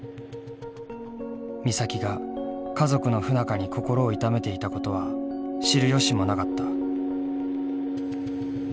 美咲が家族の不仲に心を痛めていたことは知る由もなかった。